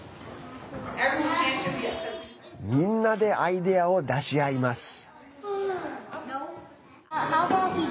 みんなでアイデアを出し合います。